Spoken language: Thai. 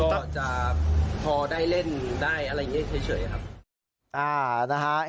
ก็จะพอได้เล่นได้อะไรอย่างนี้เฉยครับ